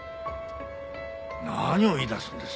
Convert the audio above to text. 何を言い出すんです？